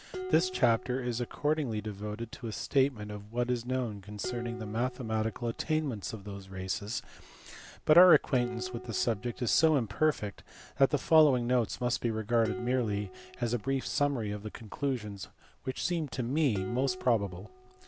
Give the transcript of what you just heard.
This chapter is accordingly devoted to a statement of what is known con cerning the mathematical attainments of those races, but our acquaintance with the subject is so imperfect that the following notes must be regarded merely as a brief summary of the conclusions which seem to me most probable.